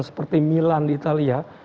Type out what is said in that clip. seperti milan di italia